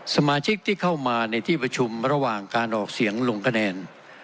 สมาชิกที่เข้ามาในที่ประชุมระหว่างการออกเสียงลงคะแนน